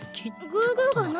グーグーが何？